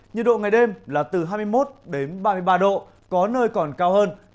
nhiệt độ ngày đêm là từ hai mươi một đến ba mươi ba độ có nơi còn cao hơn